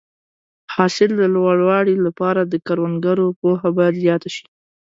د حاصل د لوړوالي لپاره د کروندګرو پوهه باید زیاته شي.